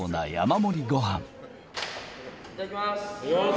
いただきます。